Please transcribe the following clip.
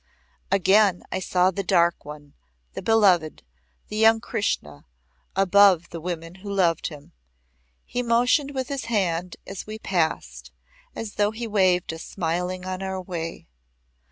Again I saw the Dark One, the Beloved, the young Krishna, above the women who loved him. He motioned with his hand as we passed, as though he waved us smiling on our way.